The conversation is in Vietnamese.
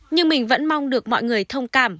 nhưng mình vẫn mong được mọi người thông cảm